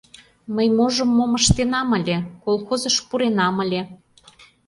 Мый можым мом ыштенам ыле... колхозыш пуренам ыле...